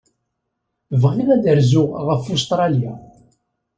Bɣiɣ ad rzuɣ ɣef Ustṛalya.